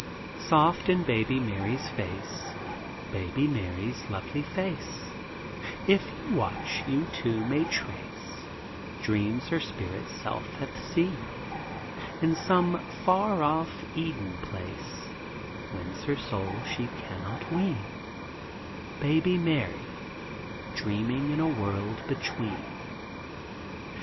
Soft in baby Mary's face, Baby Mary's lovely face, If you watch, you, too, may trace Dreams her spirit self hath seen In some far off Eden place, Whence her soul she can not wean, Baby Mary, Dreaming in a world between.